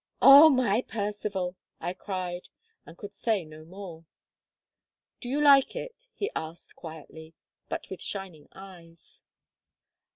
"O my Percivale!" I cried, and could say no more. "Do you like it?" he asked quietly, but with shining eyes.